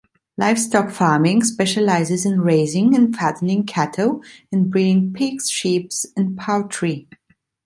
Livestock farming specializes in raising and fattening cattle and breeding pigs, sheep, and poultry.